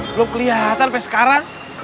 belum kelihatan sampai sekarang